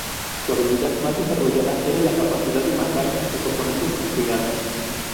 Su habilidad más desarrollada era la capacidad de marcar a sus oponentes con cuidado.